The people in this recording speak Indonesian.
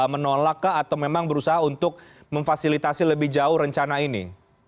menolak atau memang berusaha untuk memfasilitasi lebih jauh rencana ini